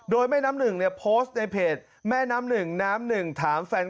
โดยแม่น้ำหนึ่งเนี่ยโพสต์ในเพจแม่น้ำหนึ่งน้ำหนึ่งถามแฟน